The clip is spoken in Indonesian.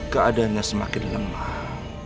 keadaannya semakin lemah